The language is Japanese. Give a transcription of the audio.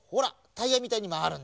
タイヤみたいにまわるんだ！